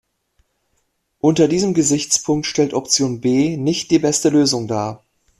Unter diesem Gesichtspunkt stellt Option B nicht die beste Lösung dar.